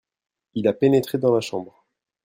Il a pénétré dans la chambre.